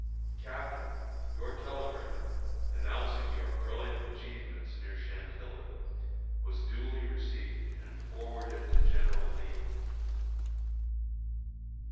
CAPTAIN Your telegram, announcing your brilliant achievements near Chantilly, was duly received and forwarded to General Lee.